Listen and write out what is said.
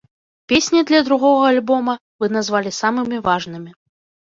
Песні для другога альбома вы назвалі самымі важнымі.